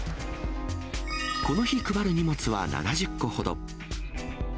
この日配る荷物は７０個ほど。